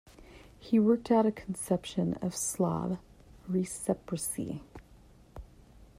He worked out a conception of Slav reciprocity.